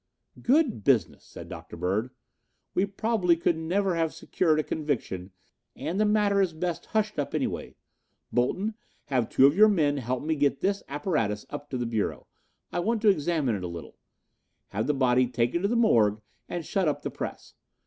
"Good business," said Dr. Bird. "We probably could never have secured a conviction and the matter is best hushed up anyway. Bolton, have two of your men help me get this apparatus up to the Bureau. I want to examine it a little. Have the body taken to the morgue and shut up the press.